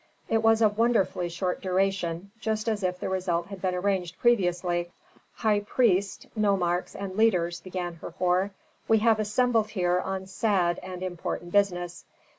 It was of wonderfully short duration, just as if the result had been arranged previously. "High priests, nomarchs, and leaders," began Herhor. "We have assembled here on sad and important business.